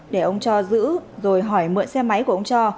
để ông cho giữ rồi hỏi mượn xe máy của ông cho